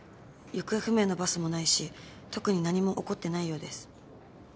行方不明のバスもないし特に何も起こってないようです。